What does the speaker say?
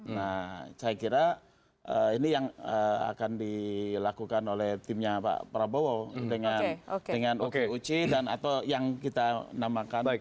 nah saya kira ini yang akan dilakukan oleh timnya pak prabowo dengan okoc dan atau yang kita namakan